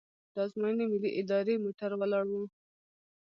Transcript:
د ازموینې ملي ادارې موټر ولاړ و.